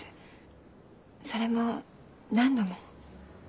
それも何度も。